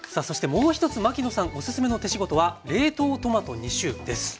もう一つ牧野さんおすすめの手仕事は冷凍トマト２種です。